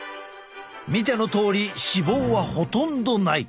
見てのとおり脂肪はほとんどない。